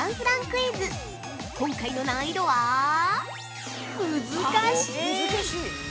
今回の難易度はむずかしい！